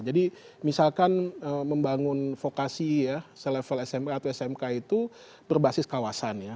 jadi misalkan membangun vokasi ya selevel smk atau smk itu berbasis kawasan ya